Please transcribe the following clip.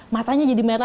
matanya jadi merah